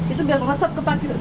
itu biar masak ke pakis